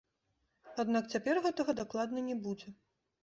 Аднак цяпер гэтага дакладна не будзе.